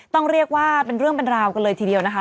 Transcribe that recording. ต้องเรียกว่าเป็นเรื่องเป็นราวกันเลยทีเดียวนะคะ